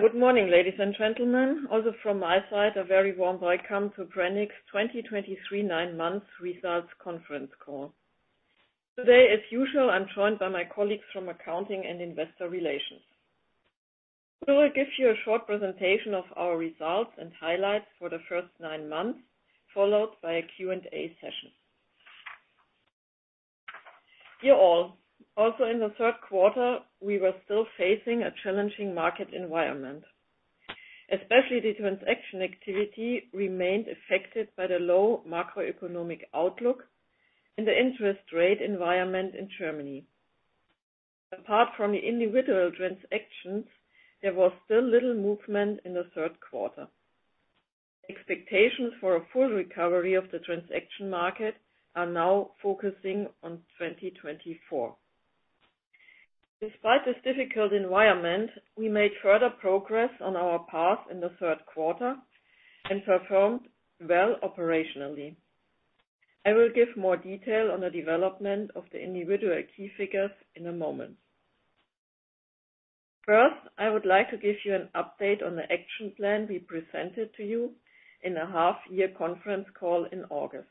Good morning, ladies and gentlemen. Also from my side, a very warm Welcome to Branicks 2023 nine months results conference call. Today, as usual, I'm joined by my colleagues from accounting and investor relations. We will give you a short presentation of our results and highlights for the first nine months, followed by a Q&A session. Dear all, also in the third quarter, we were still facing a challenging market environment. Especially, the transaction activity remained affected by the low macroeconomic outlook and the interest rate environment in Germany. Apart from the individual transactions, there was still little movement in the third quarter. Expectations for a full recovery of the transaction market are now focusing on 2024. Despite this difficult environment, we made further progress on our path in the third quarter and performed well operationally. I will give more detail on the development of the individual key figures in a moment. First, I would like to give you an update on the action plan we presented to you in a half-year conference call in August.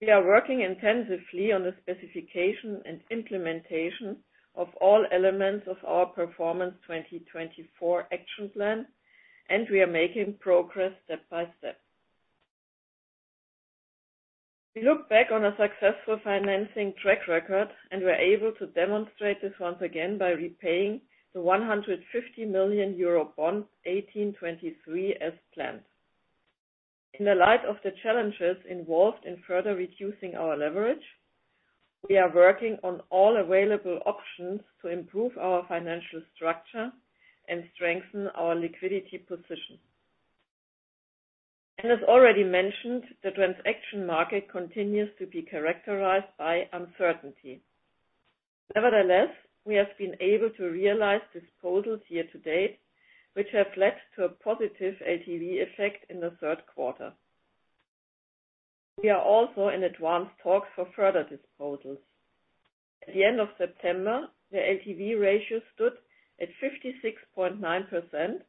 We are working intensively on the specification and implementation of all elements of our Performance 2024 action plan, and we are making progress step by step. We look back on a successful financing track record, and we're able to demonstrate this once again by repaying the 150 million euro bond 18/23 as planned. In the light of the challenges involved in further reducing our leverage, we are working on all available options to improve our financial structure and strengthen our liquidity position. As already mentioned, the transaction market continues to be characterized by uncertainty. Nevertheless, we have been able to realize disposals here to date, which have led to a positive LTV effect in the third quarter. We are also in advanced talks for further disposals. At the end of September, the LTV ratio stood at 56.9%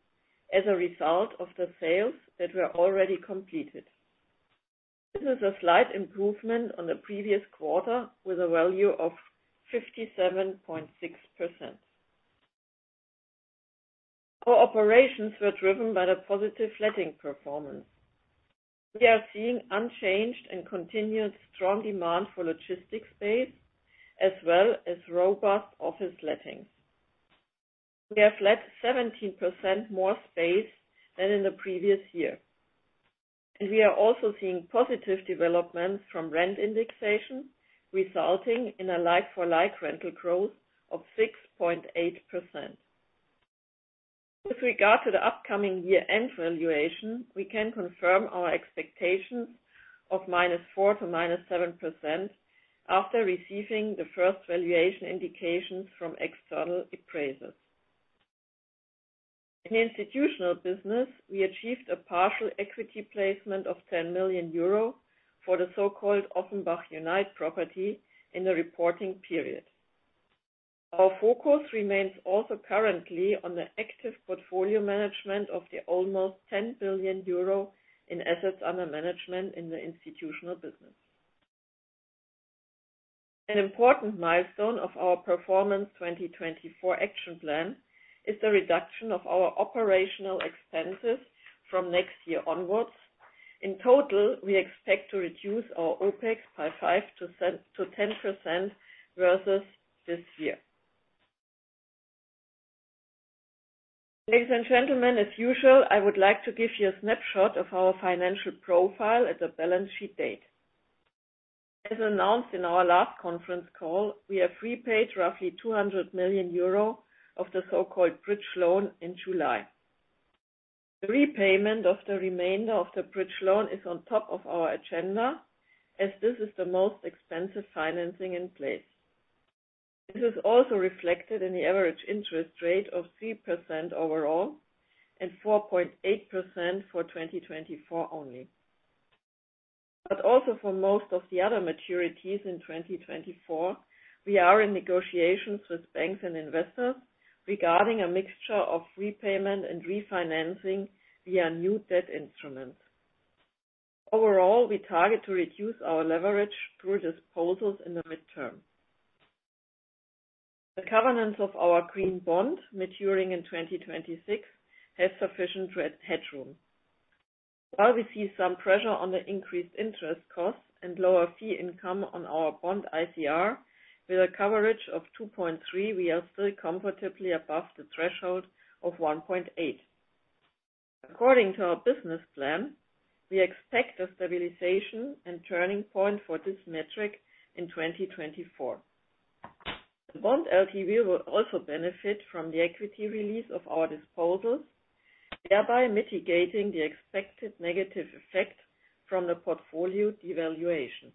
as a result of the sales that were already completed. This is a slight improvement on the previous quarter, with a value of 57.6%. Our operations were driven by the positive letting performance. We are seeing unchanged and continued strong demand for logistics space, as well as robust office lettings. We have let 17% more space than in the previous year. We are also seeing positive developments from rent indexation, resulting in a like-for-like rental growth of 6.8%. With regard to the upcoming year-end valuation, we can confirm our expectations of -4% to -7% after receiving the first valuation indications from external appraisers. In the institutional business, we achieved a partial equity placement of 10 million euro for the so-called Offenbach Unite property in the reporting period. Our focus remains also currently on the active portfolio management of the almost 10 billion euro in assets under management in the institutional business. An important milestone of our Performance 2024 action plan is the reduction of our operational expenses from next year onwards. In total, we expect to reduce our OpEx by 5%-10% versus this year. Ladies and gentlemen, as usual, I would like to give you a snapshot of our financial profile at the balance sheet date. As announced in our last conference call, we have repaid roughly 200 million euro of the so-called bridge loan in July. The repayment of the remainder of the bridge loan is on top of our agenda, as this is the most expensive financing in place. This is also reflected in the average interest rate of 3% overall and 4.8% for 2024 only. But also, for most of the other maturities in 2024, we are in negotiations with banks and investors regarding a mixture of repayment and refinancing via new debt instruments. Overall, we target to reduce our leverage through disposals in the midterm. The covenants of our green bond, maturing in 2026, have sufficient headroom. While we see some pressure on the increased interest costs and lower fee income on our Bond ICR, with a coverage of 2.3, we are still comfortably above the threshold of 1.8. According to our business plan, we expect a stabilization and turning point for this metric in 2024. The Bond LTV will also benefit from the equity release of our disposals, thereby mitigating the expected negative effect from the portfolio devaluation.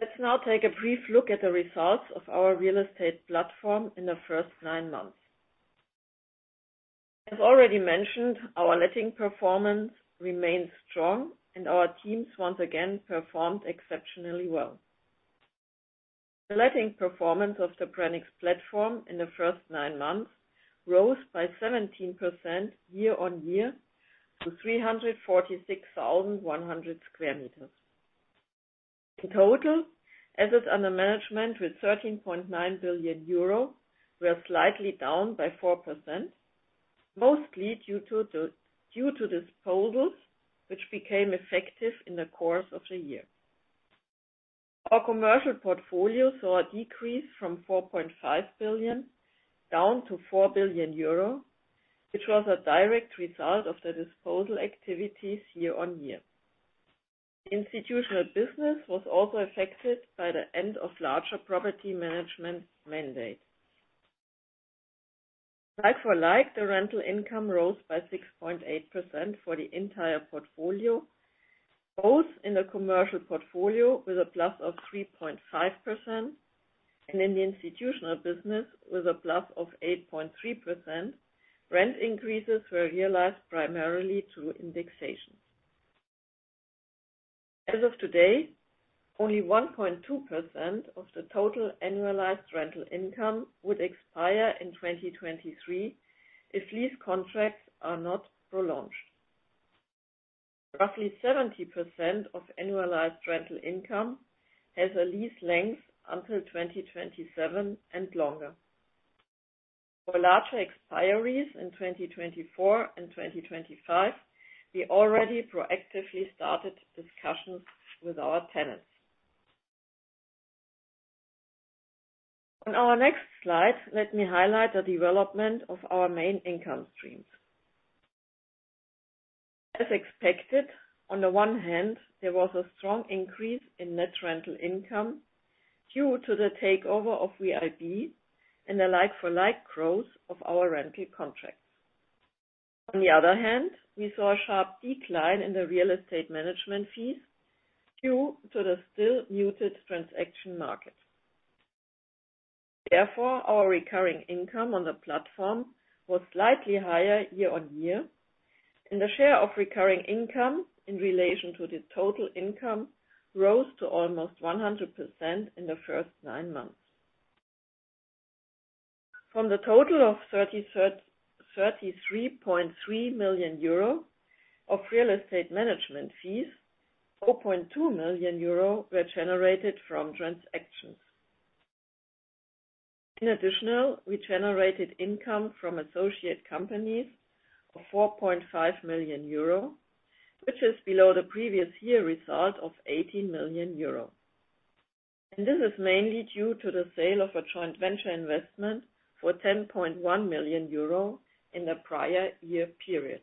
Let's now take a brief look at the results of our real estate platform in the first nine months. As already mentioned, our letting performance remains strong, and our teams once again performed exceptionally well. The letting performance of the Branicks platform in the first nine months rose by 17% year-on-year to 346,100 square meters. In total, assets under management with 13.9 billion euro were slightly down by 4%, mostly due to disposals, which became effective in the course of the year. Our commercial portfolio saw a decrease from 4.5 billion down to 4 billion euro, which was a direct result of the disposal activities year-on-year. Institutional business was also affected by the end of larger property management mandate. Like for like, the rental income rose by 6.8% for the entire portfolio, both in the commercial portfolio with a plus of 3.5% and in the institutional business with a plus of 8.3%. Rent increases were realized primarily through indexations. As of today, only 1.2% of the total annualized rental income would expire in 2023 if lease contracts are not prolonged. Roughly 70% of annualized rental income has a lease length until 2027 and longer. For larger expiries in 2024 and 2025, we already proactively started discussions with our tenants. On our next slide, let me highlight the development of our main income streams. As expected, on the one hand, there was a strong increase in net rental income due to the takeover of VIB and the like-for-like growth of our rental contracts. On the other hand, we saw a sharp decline in the real estate management fees due to the still muted transaction market. Therefore, our recurring income on the platform was slightly higher year on year, and the share of recurring income in relation to the total income rose to almost 100% in the first nine months. From the total of 33.3 million euro of real estate management fees, 4.2 million euro were generated from transactions. In addition, we generated income from associate companies of 4.5 million euro, which is below the previous year result of 80 million euro. This is mainly due to the sale of a joint venture investment for 10.1 million euro in the prior year period.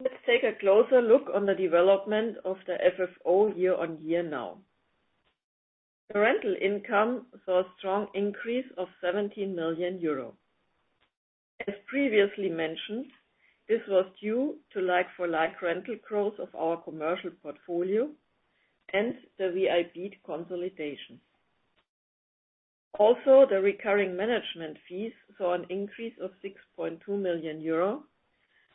Let's take a closer look on the development of the FFO year-on-year now. The rental income saw a strong increase of 17 million euro. As previously mentioned, this was due to like-for-like rental growth of our commercial portfolio and the VIB consolidation. Also, the recurring management fees saw an increase of 6.2 million euro,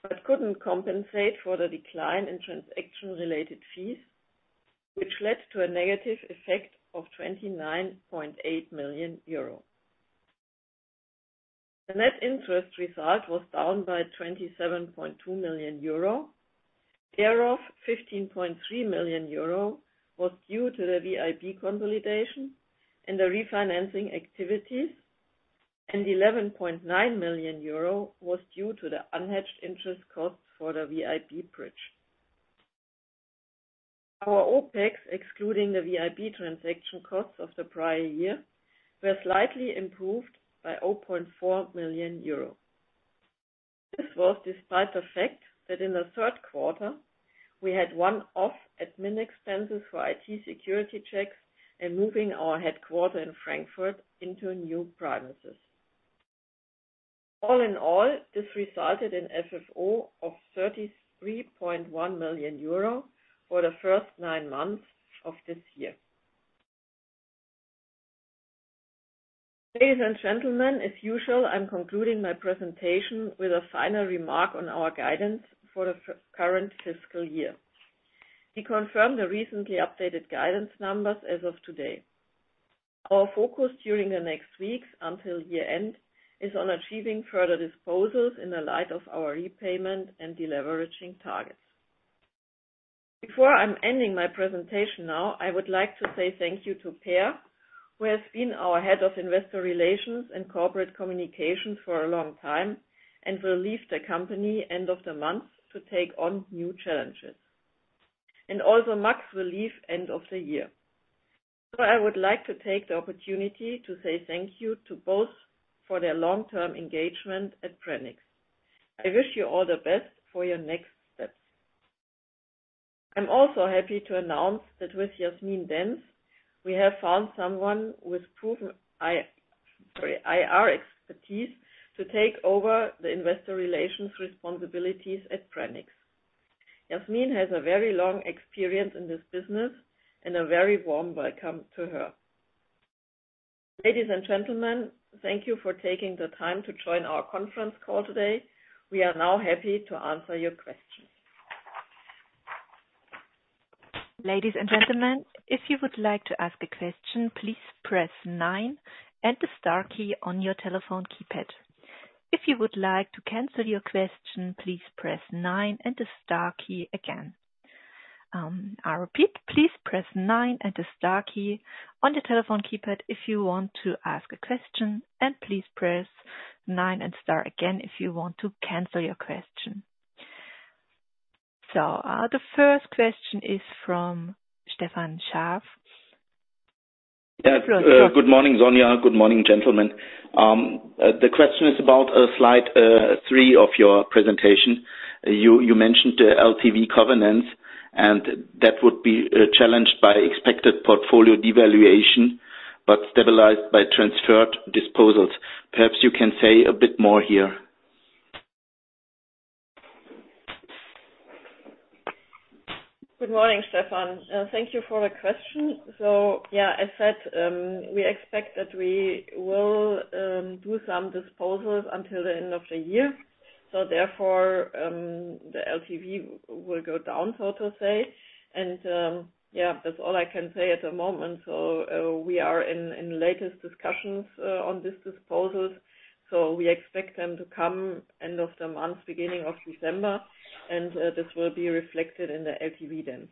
but couldn't compensate for the decline in transaction-related fees, which led to a negative effect of 29.8 million euro. The net interest result was down by 27.2 million euro. Thereof, 15.3 million euro as due to the VIB consolidation and the refinancing activities, and 11.9 million euro was due to the unhedged interest costs for the VIB bridge. Our OpEx, excluding the VIB transaction costs of the prior year, were slightly improved by 0.4 million euro. This was despite the fact that in the third quarter, we had one-off admin expenses for IT security checks and moving our headquarters in Frankfurt into new premises. All in all, this resulted in FFO of 33.1 million euro for the first nine months of this year. Ladies and gentlemen, as usual, I'm concluding my presentation with a final remark on our guidance for the fiscal current year. We confirm the recently updated guidance numbers as of today. Our focus during the next weeks until year-end is on achieving further disposals in the light of our repayment and deleveraging targets. Before I'm ending my presentation now, I would like to say thank you to Peer, who has been our Head of Investor Relations and Corporate Communications for a long time and will leave the company end of the month to take on new challenges. And also, Max will leave end of the year. So I would like to take the opportunity to say thank you to both for their long-term engagement at Branicks. I wish you all the best for your next steps. I'm also happy to announce that with Jasmin Dentz, we have found someone with proven IR expertise to take over the investor relations responsibilities at Branicks. Jasmin has a very long experience in this business, and a very warm welcome to her. Ladies and gentlemen, thank you for taking the time to join our conference call today. We are now happy to answer your questions. Ladies and gentlemen, if you would like to ask a question, please press nine and the star key on your telephone keypad. If you would like to cancel your question, please press nine and the star key again. I repeat, please press nine and the star key on the telephone keypad if you want to ask a question, and please press nine and star again, if you want to cancel your question. The first question is from Stefan Scharff. Yeah. Good morning, Sonja. Good morning, gentlemen. The question is about slide three of your presentation. You mentioned the LTV covenants, and that would be challenged by expected portfolio devaluation, but stabilized by transferred disposals. Perhaps you can say a bit more here. Good morning, Stefan. Thank you for the question. So, yeah, as said, we expect that we will do some disposals until the end of the year. So therefore, the LTV will go down, so to say. And, yeah, that's all I can say at the moment. So, we are in, in latest discussions on this disposals, so we expect them to come end of the month, beginning of December, and this will be reflected in the LTV then.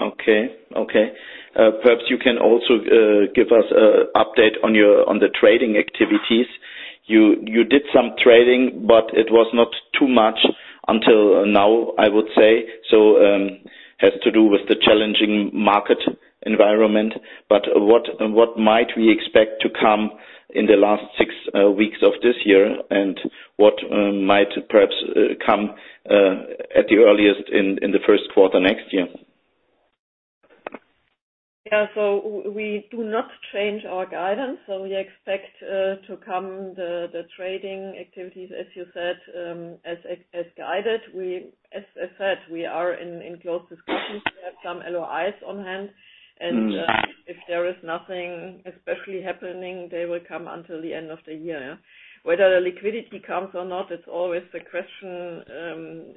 Okay. Okay. Perhaps you can also give us an update on the trading activities. You did some trading, but it was not too much until now, I would say. So, it has to do with the challenging market environment. But what might we expect to come in the last six weeks of this year? And what might perhaps come at the earliest in the first quarter next year? Yeah. So, we do not change our guidance, so we expect to come the trading activities, as you said, as guided. We, As I said, we are in close discussions. We have some LOIs on hand, and if there is nothing especially happening, they will come until the end of the year. Whether the liquidity comes or not, it's always the question,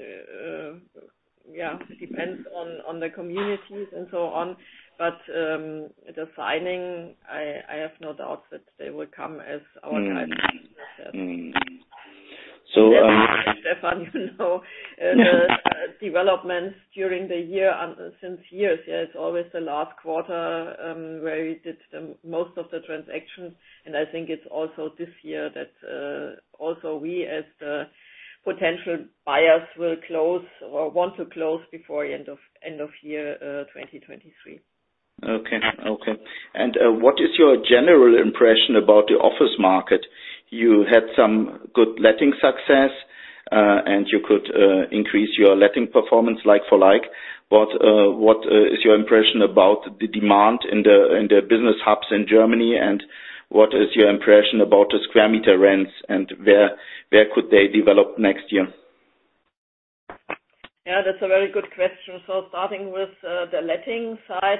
yeah, depends on the communities and so on. But the signing, I have no doubt that they will come as our guidance. Stefan, you know, developments during the year and since years, yeah, it's always the last quarter where we did the most of the transactions, and I think it's also this year that also we as the potential buyers will close or want to close before the end of, end of year 2023. Okay. Okay. And what is your general impression about the office market? You had some good letting success and you could increase your letting performance like for like. What is your impression about the demand in the business hubs in Germany? And what is your impression about the square meter rents, and where could they develop next year? Yeah, that's a very good question. So starting with, the letting side,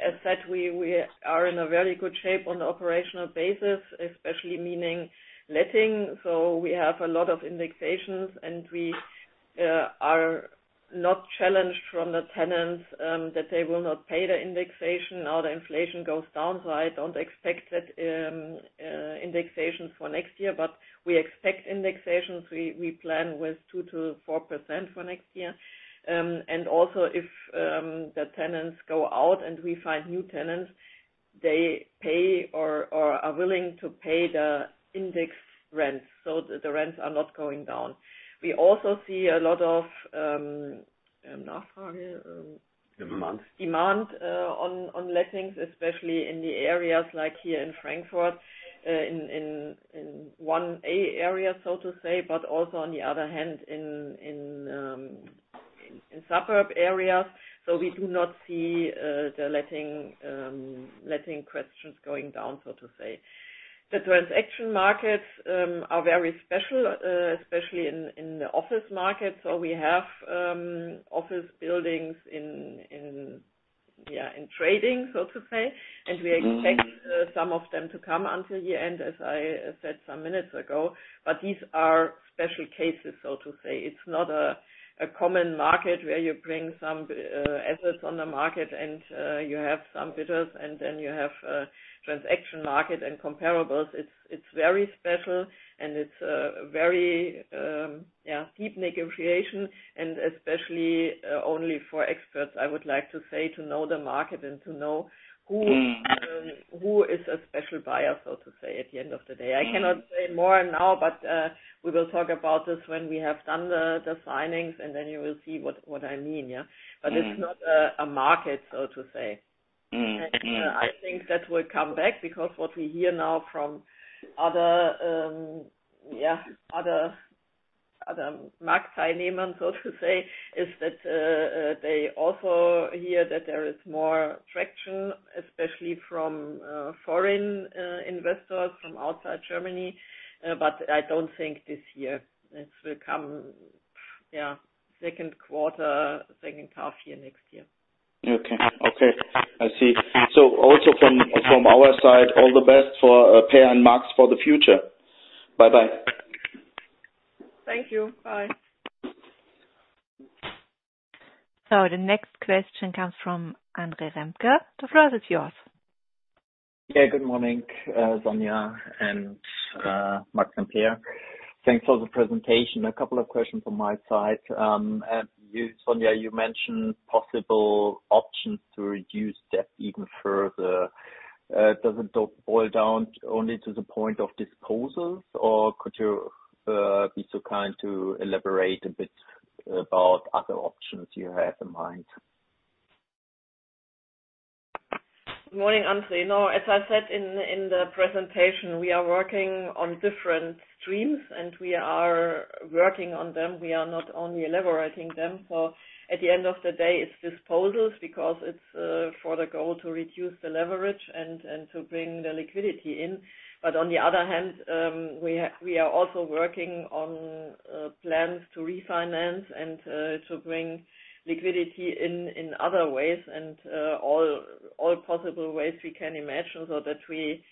as said, we, we are in a very good shape on the operational basis, especially meaning letting. So we have a lot of indexations, and we are not challenged from the tenants, that they will not pay the indexation. Now the inflation goes down, so I don't expect that, indexation for next year, but we expect indexations. We, we plan with 2%-4% for next year. And also, if, the tenants go out and we find new tenants, they pay or are willing to pay the index rents, so the rents are not going down. We also see a lot of, Demand. Demand on lettings, especially in the areas like here in Frankfurt, in 1A area, so to say, but also on the other hand, in suburb areas. So we do not see the letting questions going down, so to say. The transaction markets are very special, especially in the office market. So we have office buildings in trading, so to say, and we expect- Some of them to come until the end, as I said some minutes ago. But these are special cases, so to say. It's not a common market where you bring some assets on the market and you have some bidders, and then you have a transaction market and comparables. It's very special and it's very deep negotiation, and especially only for experts, I would like to say, to know the market and to know who-... who is a special buyer, so to say, at the end of the day. I cannot say more now, but we will talk about this when we have done the signings, and then you will see what I mean, yeah. But it's not a market, so to say I think that will come back because what we hear now from other, other market participants, so to say, is that they also hear that there is more traction, especially from foreign investors from outside Germany. But I don't think this year. It will come, yeah, second quarter, second half year, next year. Okay. Okay, I see. So also from our side, all the best for Peer and Max for the future. Bye-bye. Thank you. Bye. So the next question comes from Andre Remke. The floor is yours. Yeah, good morning, Sonja and Max and Peer. Thanks for the presentation. A couple of questions on my side. And you, Sonja, you mentioned possible options to reduce debt even further. Does it boil down only to the point of disposals, or could you be so kind to elaborate a bit about other options you have in mind? Morning, Andre. No, as I said in the presentation, we are working on different streams, and we are working on them. We are not only elaborating them. So at the end of the day, it's disposals because it's for the goal to reduce the leverage and to bring the liquidity in. But on the other hand, we are also working on plans to refinance and to bring liquidity in in other ways and all possible ways we can imagine, so that we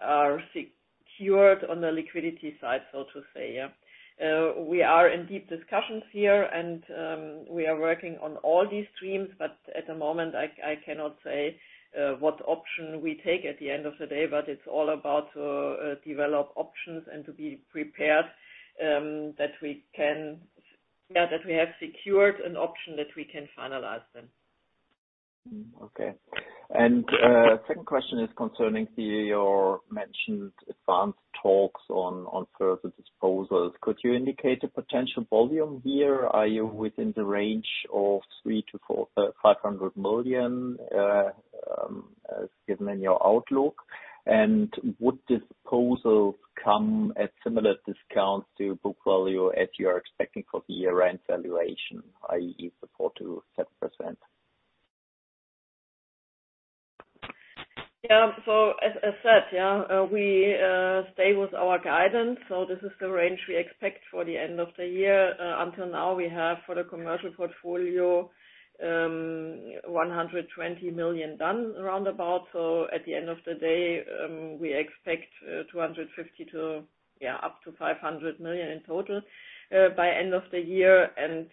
are secured on the liquidity side, so to say, yeah. We are in deep discussions here, and we are working on all these streams, but at the moment, I cannot say what option we take at the end of the day, but it's all about develop options and to be prepared that we can, yeah, that we have secured an option that we can finalize then. Hmm, okay. Second question is concerning your mentioned advanced talks on further disposals. Could you indicate a potential volume here? Are you within the range of 300-450 million, as given in your outlook? And would disposals come at similar discounts to book value as you are expecting for the year-end valuation, i.e., the 4%-7%? So as said, we stay with our guidance, so this is the range we expect for the end of the year. Until now, we have for the commercial portfolio, 120 million done around about. So at the end of the day, we expect 250 million to up to 500 million in total by end of the year. And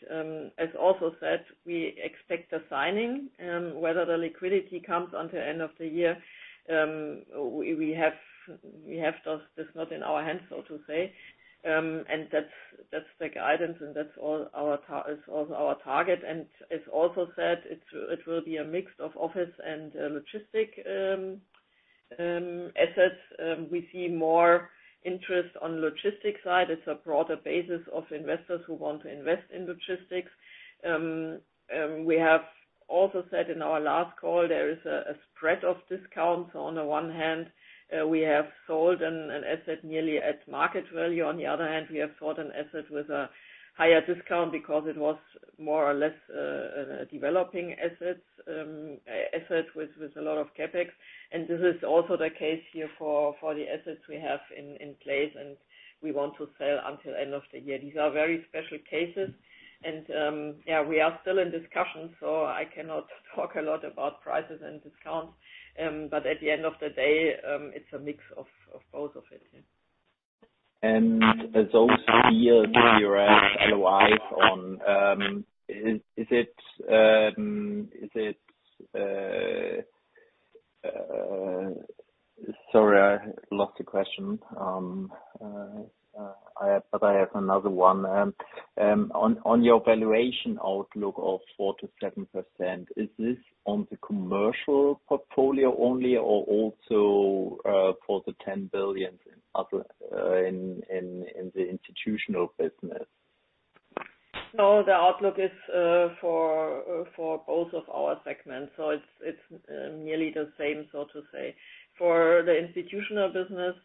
as also said, we expect the signing, whether the liquidity comes on the end of the year, we have this not in our hands, so to say. And that's the guidance, and that's all our target is also our target. And as also said, it will be a mix of office and logistics assets. We see more interest on logistics side. It's a broader basis of investors who want to invest in logistics. We have also said in our last call, there is a spread of discounts. On the one hand, we have sold an asset nearly at market value. On the other hand, we have sold an asset with a higher discount because it was more or less a developing asset, an asset with a lot of CapEx. And this is also the case here for the assets we have in place, and we want to sell until end of the year. These are very special cases, and yeah, we are still in discussions, so I cannot talk a lot about prices and discounts. But at the end of the day, it's a mix of both of it, yeah. And those deals with your LOIs on, sorry, I lost the question. But I have another one. On your valuation outlook of 4%-7%, is this on the commercial portfolio only, or also for the 10 billion in other in the institutional business? No, the outlook is for both of our segments, so it's nearly the same, so to say. For the institutional business,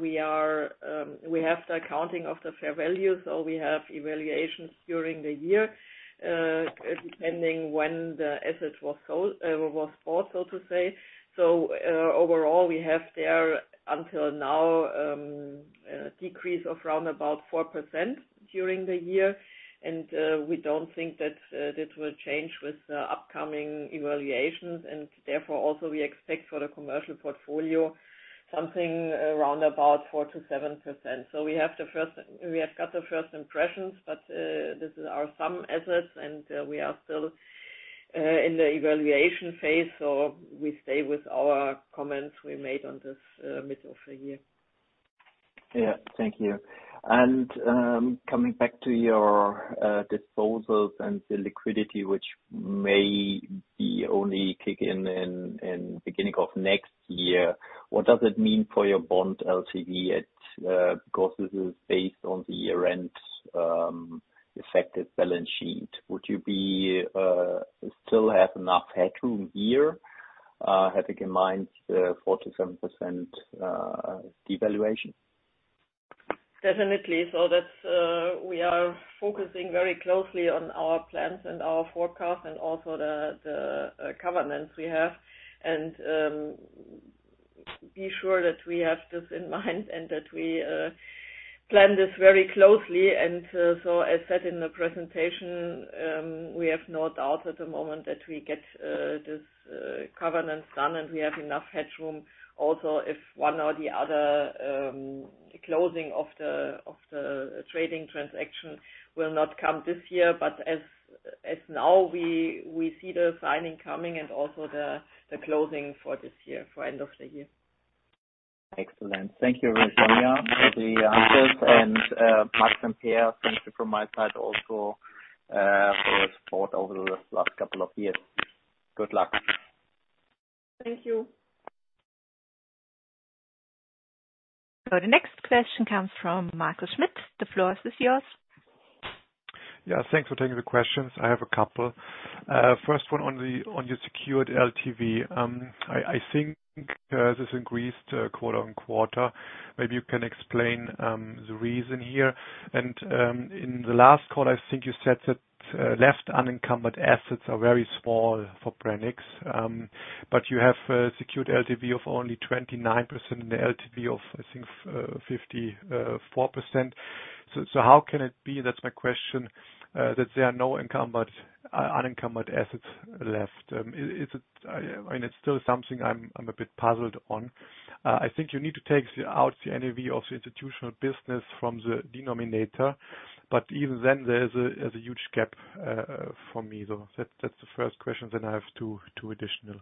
we have the accounting of the fair value, so we have evaluations during the year, depending when the asset was sold, was bought, so to say. So, overall, we have there until now decrease of around about 4% during the year, and we don't think that this will change with the upcoming evaluations, and therefore, also we expect for the commercial portfolio something around about 4%-7%. So we have the first, we have got the first impressions, but this are some assets, and we are still in the evaluation phase, so we stay with our comments we made on this mid of the year. Yeah. Thank you. And, coming back to your disposals and the liquidity, which may only kick in in beginning of next year, what does it mean for your bond LTV, because this is based on the year-end effective balance sheet. Would you still have enough headroom here, having in mind the 4%-7% devaluation? ...Definitely. So that's, we are focusing very closely on our plans and our forecast and also the covenants we have. And, be sure that we have this in mind and that we plan this very closely. And, so as said in the presentation, we have no doubt at the moment that we get this covenants done, and we have enough headroom. Also, if one or the other closing of the trading transaction will not come this year. But as now, we see the signing coming and also the closing for this year, for end of the year. Excellent. Thank you, Sonja, for the answers. And, Max and Peer, thank you from my side also, for your support over the last couple of years. Good luck. Thank you. The next question comes from Michael Schmidt. The floor is yours. Yeah, thanks for taking the questions. I have a couple. First one on the, on your secured LTV. I think this increased quarter-on-quarter. Maybe you can explain the reason here. And, in the last call, I think you said that left unencumbered assets are very small for Branicks. But you have secured LTV of only 29% and the LTV of, I think, 54%. So, how can it be, that's my question, that there are no unencumbered assets left? I mean, it's still something I'm a bit puzzled on. I think you need to take out the NAV of the institutional business from the denominator, but even then, there is a huge gap for me, though. That's the first question, then I have two additional.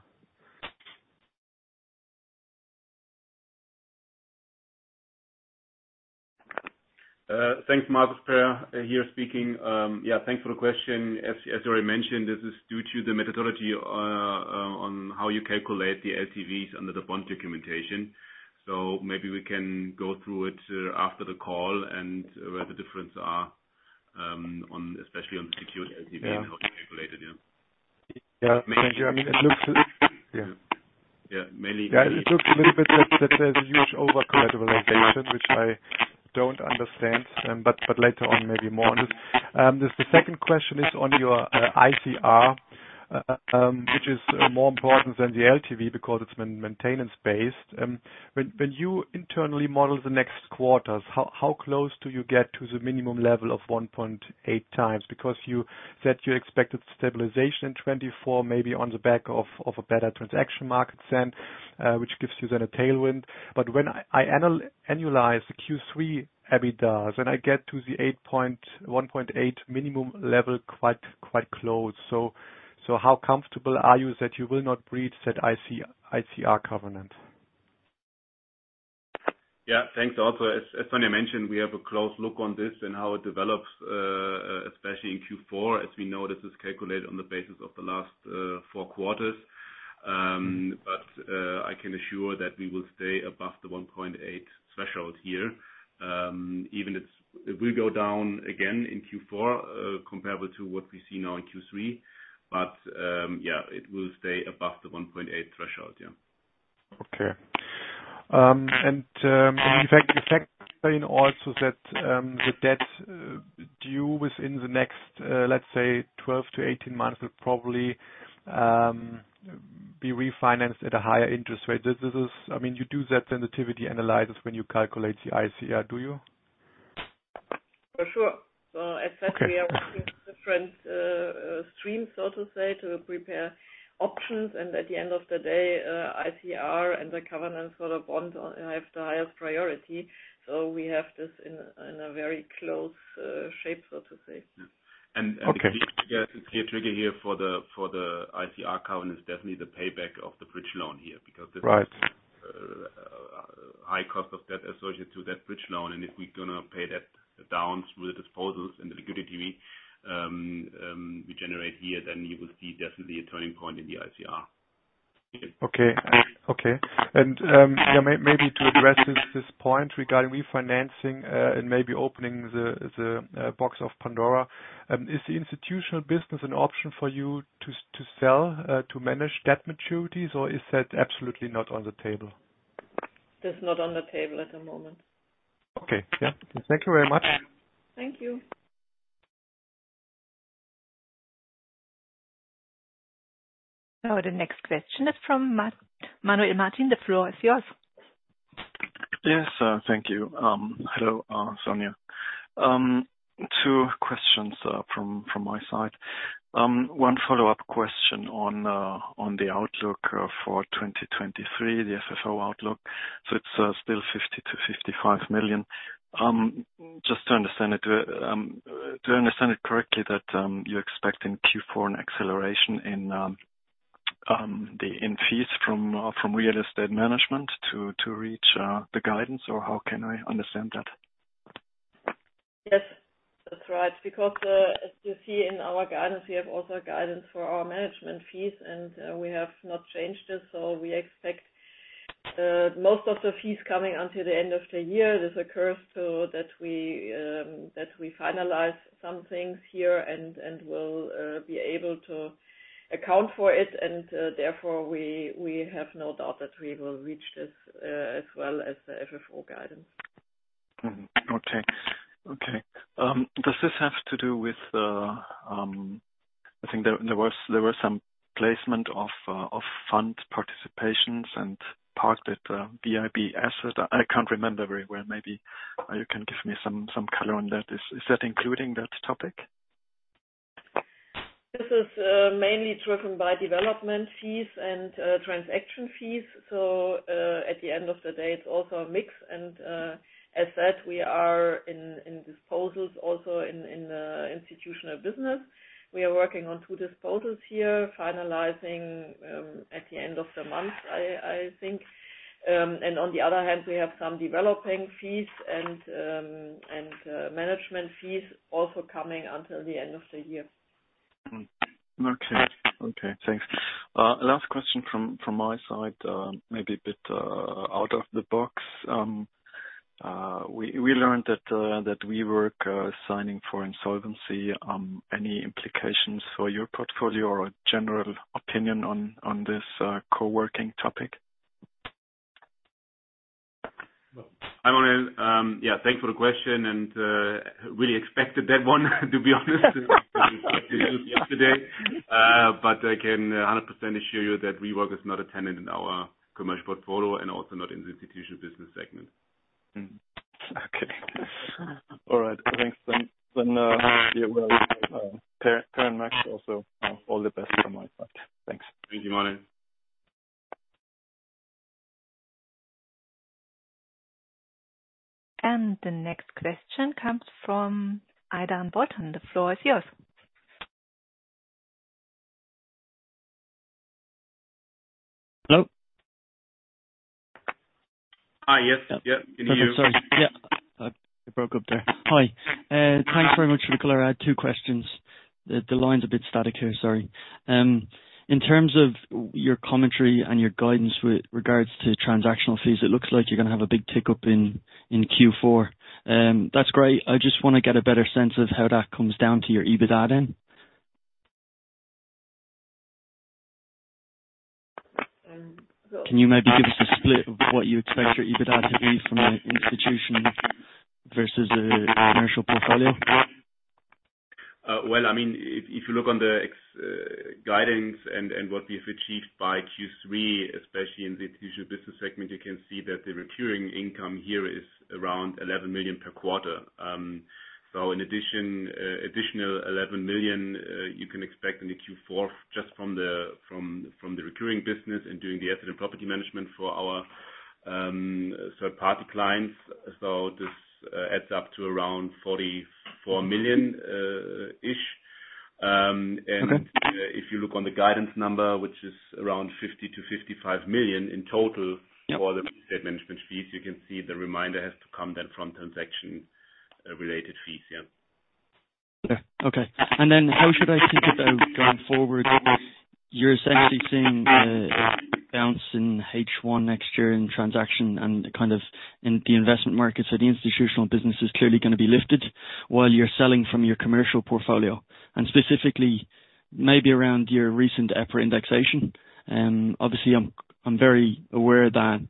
Thanks, Michael. Peer here speaking. Yeah, thanks for the question. As already mentioned, this is due to the methodology on how you calculate the LTVs under the bond documentation. So maybe we can go through it after the call and where the differences are, especially on the secured LTV- Yeah. and how it's calculated, yeah. Yeah. Thank you. I mean, it looks, yeah. Yeah, mainly- Yeah, it looks a little bit that, that there's a huge overcollateralization, which I don't understand. But later on, maybe more on this. The second question is on your ICR, which is more important than the LTV because it's maintenance based. When you internally model the next quarters, how close do you get to the minimum level of 1.8x? Because you said you expected stabilization in 2024, maybe on the back of a better transaction market then, which gives you then a tailwind. But when I annualize the Q3 EBITDA, then I get to the 8.1... 1.8 minimum level, quite close. So how comfortable are you that you will not breach that ICR covenant? Yeah, thanks. Also, as Sonja mentioned, we have a close look on this and how it develops, especially in Q4, as we know, this is calculated on the basis of the last four quarters. But I can assure that we will stay above the 1.8 threshold here. Even it's, it will go down again in Q4, comparable to what we see now in Q3. Yeah, it will stay above the 1.8 threshold. Yeah. Okay. And, in fact, the fact also that, the debt, due within the next, let's say, 12-18 months, will probably, be refinanced at a higher interest rate. This, this is... I mean, you do that sensitivity analysis when you calculate the ICR, do you? For sure. So as said- Okay. We are working with different streams, so to say, to prepare options. And at the end of the day, ICR and the covenants for the bond have the highest priority. So we have this in a very close shape, so to say. Yeah. And, and- Okay. The key trigger here for the ICR covenant is definitely the payback of the bridge loan here. Right. Because the high cost of debt associated to that bridge loan, and if we're going to pay that down through the disposals and the liquidity we generate here, then you will see definitely a turning point in the ICR. Okay. Okay. And, yeah, maybe to address this point regarding refinancing, and maybe opening the box of Pandora. Is the institutional business an option for you to sell to manage debt maturities, or is that absolutely not on the table? That's not on the table at the moment. Okay. Yeah. Thank you very much. Thank you. The next question is from Manuel Martin, the floor is yours. Yes, thank you. Hello, Sonja. Two questions from my side. One follow-up question on the outlook for 2023, the FFO outlook. So it's still 50 million-55 million. Just to understand it, do I understand it correctly, that you're expecting Q4 an acceleration in the in fees from real estate management to reach the guidance? Or how can I understand that? Yes, that's right. Because, as you see in our guidance, we have also guidance for our management fees, and, we have not changed this. So we expect, most of the fees coming until the end of the year. This occurs so that we, that we finalize some things here and, and we'll, be able to account for it, and, therefore, we, we have no doubt that we will reach this, as well as the FFO guidance. Mm-hmm. Okay. Okay. Does this have to do with the? I think there was some placement of fund participations and parked at VIB asset. I can't remember very well. Maybe you can give me some color on that. Is that including that topic? This is mainly driven by development fees and transaction fees. So at the end of the day, it's also a mix and as said, we are in disposals also in the institutional business. We are working on two disposals here, finalizing at the end of the month, I think. And on the other hand, we have some developing fees and management fees also coming until the end of the year. Okay. Okay, thanks. Last question from my side, maybe a bit out of the box. We learned that WeWork signing for insolvency. Any implications for your portfolio or a general opinion on this co-working topic? Hi, Manuel. Yeah, thanks for the question and really expected that one, to be honest. Yesterday. But I can 100% assure you that WeWork is not a tenant in our commercial portfolio and also not in the institutional business segment. Okay. All right. Thanks then, yeah, well, Peer and Max, all the best from my side. Thanks. Thank you, Manuel. The next question comes from Aidan Bolton. The floor is yours. Hello? Hi. Yes. Yeah, can you hear me? Sorry, yeah, I broke up there. Hi, thanks very much for the color. I had two questions. The line's a bit static here. Sorry. In terms of your commentary and your guidance with regards to transactional fees, it looks like you're gonna have a big tick up in Q4. That's great. I just want to get a better sense of how that comes down to your EBITDA then. Um, so- Can you maybe give us a split of what you expect your EBITDA to be from an institution versus a commercial portfolio? Well, I mean, if you look at the existing guidance and what we've achieved by Q3, especially in the institutional business segment, you can see that the recurring income here is around 11 million per quarter. So in addition, additional 11 million you can expect in the Q4 just from the recurring business and doing the asset and property management for our third-party clients. So this adds up to around 44 million ish. Okay. if you look on the guidance number, which is around 50 million-55 million in total for the asset management fees, you can see the remainder has to come then from transaction-related fees. Yeah. Okay. Okay. And then how should I think about going forward? You're essentially seeing a bounce in H1 next year in transaction and kind of in the investment market. So the institutional business is clearly gonna be lifted while you're selling from your commercial portfolio. And specifically, maybe around your recent EPRA indexation. Obviously, I'm very aware that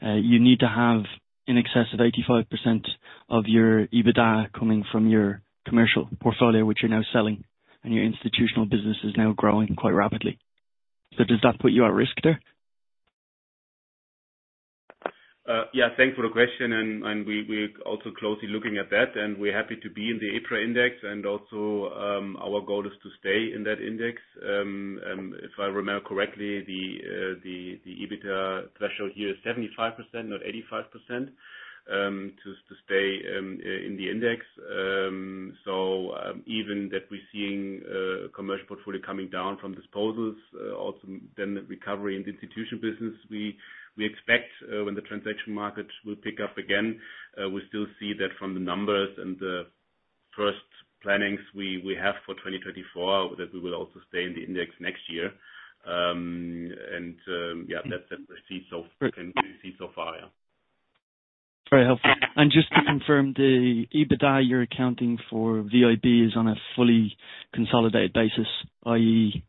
you need to have in excess of 85% of your EBITDA coming from your commercial portfolio, which you're now selling, and your institutional business is now growing quite rapidly. So does that put you at risk there? Yeah, thanks for the question. And we're also closely looking at that, and we're happy to be in the EPRA index, and also our goal is to stay in that index. If I remember correctly, the EBITDA threshold here is 75%, not 85%, to stay in the index. So, even that we're seeing commercial portfolio coming down from disposals, also then the recovery in the institutional business, we expect when the transaction market will pick up again. We still see that from the numbers and the first plannings we have for 2024, that we will also stay in the index next year. And yeah, that's what we see so far, can see so far, yeah. Very helpful. And just to confirm, the EBITDA you're accounting for VIB is on a fully consolidated basis, i.e.,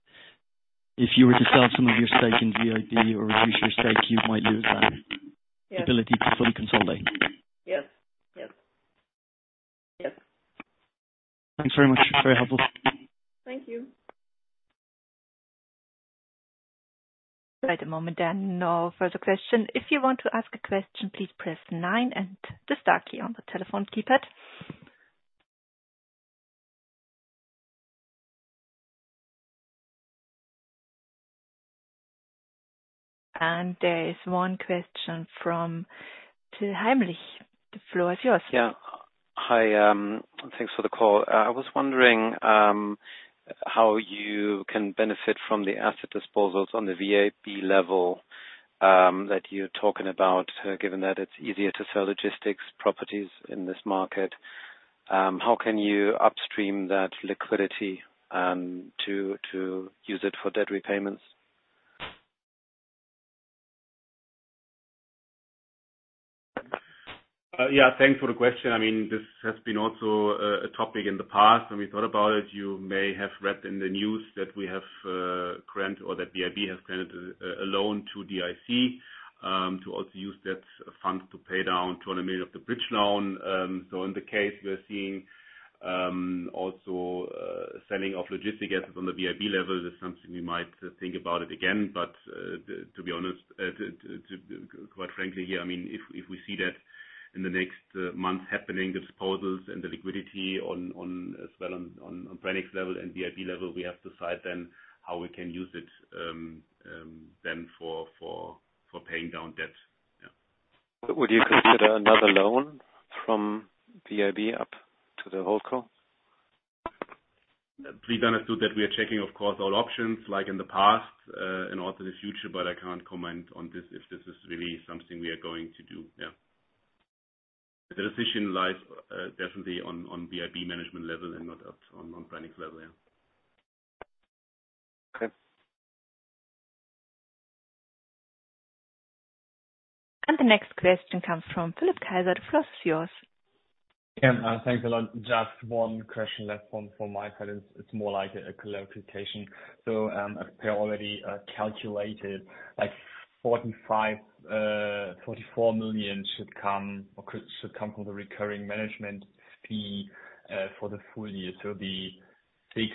if you were to sell some of your stake in VIB or reduce your stake, you might lose that- Yes. - ability to fully consolidate. Yes. Yes. Yes. Thanks very much. Very helpful. Thank you. At the moment, then, no further question. If you want to ask a question, please press nine and the star key on the telephone keypad. There is one question from Philipp Heinrich. The floor is yours. Yeah. Hi, thanks for the call. I was wondering how you can benefit from the asset disposals on the VIB level that you're talking about, given that it's easier to sell logistics properties in this market. How can you upstream that liquidity to use it for debt repayments? ... Yeah, thanks for the question. I mean, this has been also a topic in the past, and we thought about it. You may have read in the news that VIB has granted a loan to DIC to also use that fund to pay down 200 million of the bridge loan. So in the case we are seeing also selling off logistics assets on the VIB level is something we might think about it again. But to be honest, quite frankly, here, I mean, if we see that in the next months happening, the disposals and the liquidity on as well on Branicks level and VIB level, we have to decide then how we can use it then for paying down debt. Yeah. Would you consider another loan from VIB up to the whole call? Please understand that we are checking, of course, all options like in the past, and also the future, but I can't comment on this if this is really something we are going to do. Yeah. The decision lies definitely on VIB management level and not up on Branicks level, yeah. Okay. The next question comes from Philipp Kaiser, the floor is yours. Yeah, thanks a lot. Just one question left from my side. It's more like a clarification. So, I already calculated, like 45 million, 44 million should come or could, should come from the recurring management fee for the full year. So the 6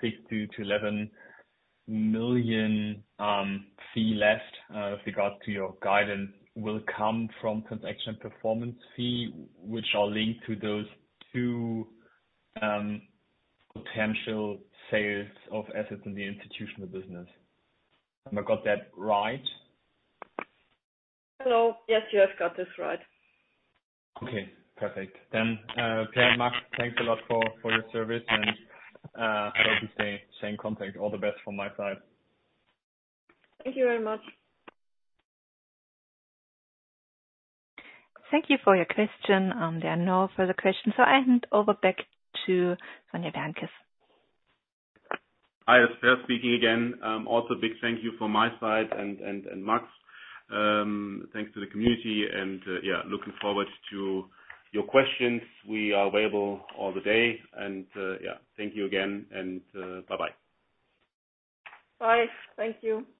million-11 million fee left, regards to your guidance, will come from transaction performance fee, which are linked to those two potential sales of assets in the institutional business. Have I got that right? Hello. Yes, you have got this right. Okay, perfect. Then, Peer and Max, thanks a lot for your service, and hope you stay same contact. All the best from my side. Thank you very much. Thank you for your question. There are no further questions, so I hand over back to Sonja Wärntges. Hi, it's Peer speaking again. Also a big thank you from my side and Max. Thanks to the community and, yeah, looking forward to your questions. We are available all the day and, yeah, thank you again, and, bye-bye. Bye. Thank you.